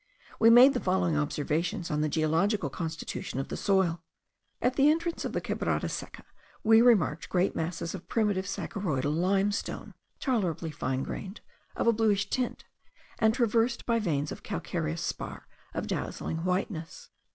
We made the following observations on the geological constitution of the soil. At the entrance of the Quebrada Seca we remarked great masses of primitive saccharoidal limestone, tolerably fine grained, of a bluish tint, and traversed by veins of calcareous spar of dazzling whiteness.